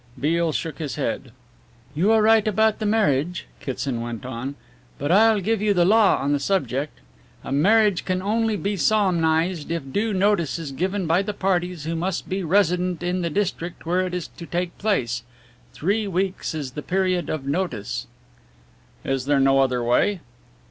Beale shook his head. "You are right about the marriage," Kitson went on, "but I'll give you the law on the subject. A marriage can only be solemnized if due notice is given by the parties who must be resident in the district where it is to take place three weeks is the period of notice." "Is there no other way?"